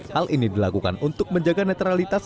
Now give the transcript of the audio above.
hal ini dilakukan untuk menjaga netralitas